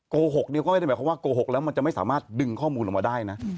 โกหกเดียวก็ไม่ได้หมายความว่าโกหกแล้วมันจะไม่สามารถดึงข้อมูลออกมาได้นะ